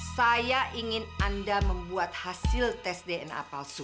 saya ingin anda membuat hasil tes dna palsu